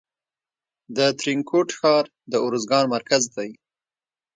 د ترینکوټ ښار د ارزګان مرکز دی